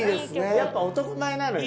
やっぱ男前なのよ